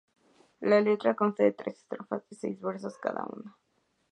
La letra consta de tres estrofas, de seis versos cada una.